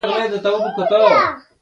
وسله د ژوند اخیستو وسیله ده